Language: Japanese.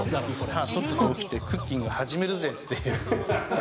さぁ、とっとと起きてクッキング始めるぜ！っていう。